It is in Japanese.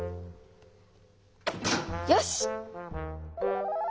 よし！